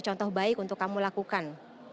contoh baik untuk kamu lakukan